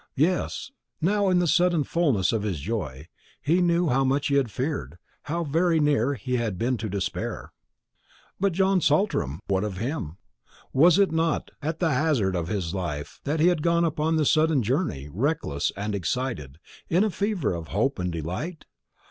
Yes, now in the sudden fulness of his joy, he knew how much he had feared, how very near he had been to despair. But John Saltram, what of him? Was it not at the hazard of his life that he had gone upon this sudden journey, reckless and excited, in a fever of hope and delight?